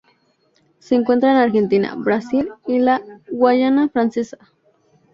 Se encuentra en Argentina, Brasil y la Guayana Francesa.